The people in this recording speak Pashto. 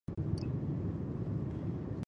په دی معنا چی د اسلام سیاسی نظام